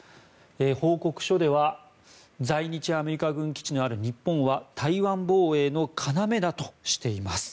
報告書では在日アメリカ軍基地のある日本は台湾防衛の要だとしています。